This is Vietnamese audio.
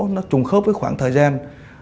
nó trùng khớp với khoảng thời gian